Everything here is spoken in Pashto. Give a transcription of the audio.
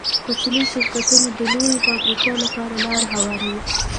کوچني شرکتونه د لویو فابریکو لپاره لاره هواروي.